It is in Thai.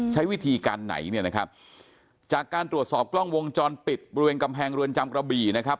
ใช้วิธีการไหนเนี่ยนะครับจากการตรวจสอบกล้องวงจรปิดบริเวณกำแพงเรือนจำกระบี่นะครับ